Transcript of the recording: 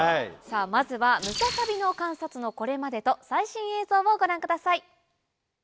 さぁまずはムササビの観察のこれまでと最新映像をご覧ください。